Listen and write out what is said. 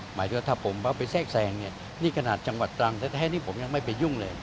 หมายถึงว่าถ้าผมเอาไปแทรกแทรงเนี่ยนี่ขนาดจังหวัดตรังแท้นี่ผมยังไม่ไปยุ่งเลย